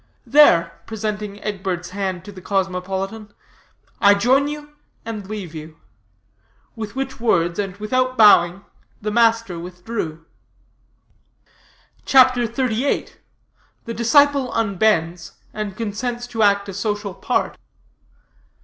There," presenting Egbert's hand to the cosmopolitan, "I join you, and leave you." With which words, and without bowing, the master withdrew. CHAPTER XXXVIII. THE DISCIPLE UNBENDS, AND CONSENTS TO ACT A SOCIAL PART.